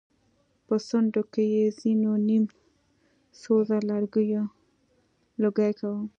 په څنډو کې يې ځېنو نيم سوزه لرګيو لوګی کوه.